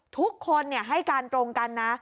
ทุกคนให้การตรงกันนะ